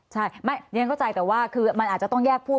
ใช่ยังเข้าใจแต่ว่าคือมันอาจจะต้องแยกพูด